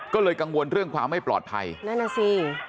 ก็เลยกังวลเรื่องความไม่ปลอดภัยนั่นน่ะสิ